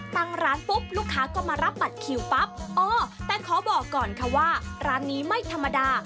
ตั้งร้านปุ๊บลูกค้าก็มารับบัตรคิวปั๊บอ๋อแต่ขอบอกก่อนค่ะว่าร้านนี้ไม่ธรรมดา